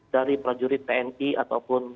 dari prajurit tni ataupun